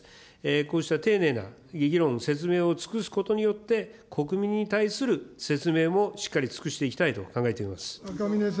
こうした丁寧な議論、説明を尽くすことによって、国民に対する説明もしっかり尽くしていきたいと考えています。